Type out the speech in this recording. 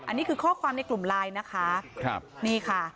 อันนี้คือข้อความในกลุ่มไลน์นะคะ